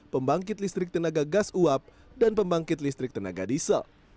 pembangkit listrik tenaga gas uap dan pembangkit listrik tenaga diesel